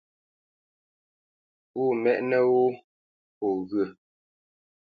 Pǔ mɛ́ʼnə́ wó pô ŋghyə̂.